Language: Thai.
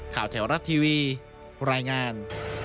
ข่าวแถวรัตทีวีรายงาน